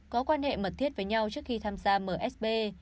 có quan hệ mật thiết với nhau trước khi tham gia msb